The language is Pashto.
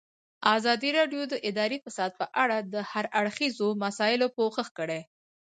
ازادي راډیو د اداري فساد په اړه د هر اړخیزو مسایلو پوښښ کړی.